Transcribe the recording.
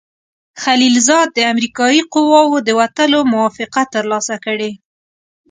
خلیلزاد د امریکایي قواوو د وتلو موافقه ترلاسه کړې.